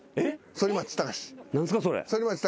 反町隆史。